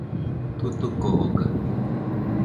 Tutuco oga.